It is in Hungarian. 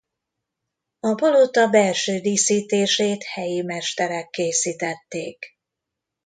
A palota belső díszítését helyi mesterek készítették.